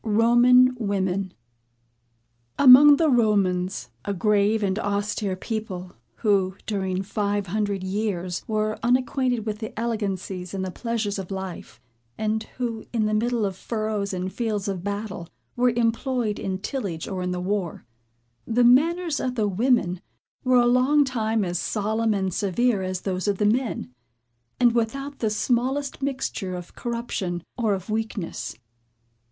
ROMAN WOMEN. Among the Romans, a grave and austere people, who, during five hundred years, were unacquainted with the elegancies and the pleasures of life, and who, in the middle of furrows and fields of battle, were employed in tillage or in war, the manners of the women were a long time as solemn and severe as those of the men, and without the smallest mixture of corruption, or of weakness.